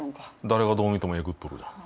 誰がどう見てもえぐっとる。